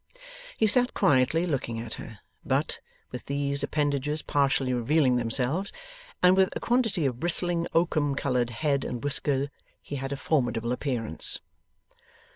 He sat quietly looking at her; but, with these appendages partially revealing themselves, and with a quantity of bristling oakum coloured head and whisker, he had a formidable appearance.